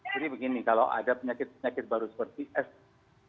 jadi begini kalau ada penyakit penyakit baru seperti s